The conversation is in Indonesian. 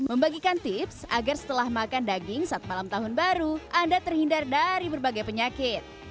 membagikan tips agar setelah makan daging saat malam tahun baru anda terhindar dari berbagai penyakit